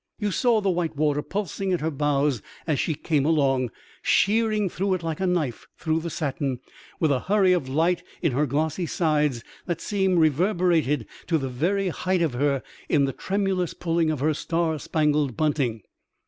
You saw the white water pulsing at her bows as she came along, shearing through it like a knife through satin, with a hurry of light in her glossy sides that seemed rever berated to the very height of her in the tremulous pulling of her star spangled bunting.